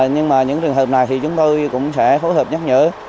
nhưng mà những trường hợp này thì chúng tôi cũng sẽ phối hợp nhắc nhở